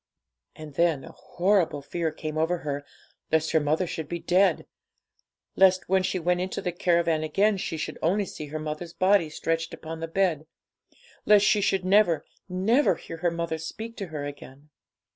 And then a horrible fear came over her lest her mother should be dead lest when she went into the caravan again she should only see her mother's body stretched upon the bed lest she should never, never hear her mother speak to her again.